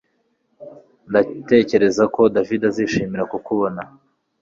Ndatekereza ko David azishimira kukubona